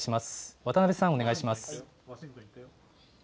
渡辺さん、お願いします。